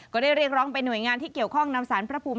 ก็ได้เรียกร้องไปหน่วยงานที่เกี่ยวข้องนำสารพระภูมิ